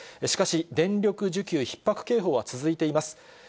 しかし、電力需給ひっ迫警報は続いています。